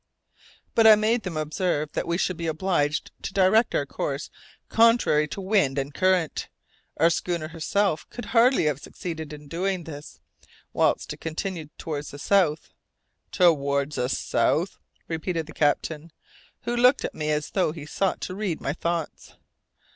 But I made them observe that we should be obliged to direct our course contrary to wind and current; our schooner herself could hardly have succeeded in doing this. Whilst to continue towards the south "Towards the south?" repeated the captain, who looked at me as though he sought to read my thoughts.